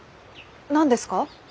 何ですか？